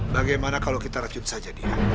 bagaimana kalau kita rajut saja dia